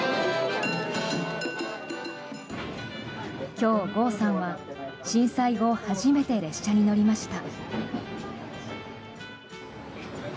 今日、郷さんは震災後初めて列車に乗りました。